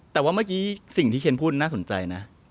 แต่ว่าเมื่อกี้สิ่งที่เคนพูดน่าสนใจนะ